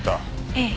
ええ。